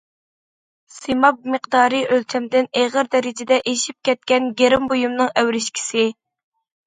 سىماب مىقدارى ئۆلچەمدىن ئېغىر دەرىجىدە ئېشىپ كەتكەن گىرىم بۇيۇمىنىڭ ئەۋرىشكىسى.